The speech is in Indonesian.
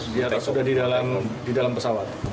di atas sudah di dalam pesawat